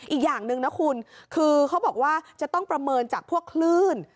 อีกอย่างหนึ่งนะคุณคือเขาบอกว่าจะต้องประเมินจากพวกคลื่น